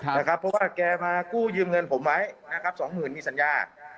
เพราะว่าแกมากู้ยืมเงินผมไว้นะครับสองหมื่นมีสัญญา